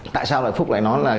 tại sao lại phúc lại nói là